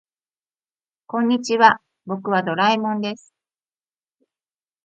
こんにちは、僕はドラえもんです。